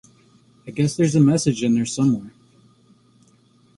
I guess there's a message in there somewhere.